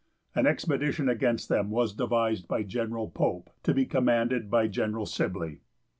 An expedition against them was devised by General Pope, to be commanded by General Sibley.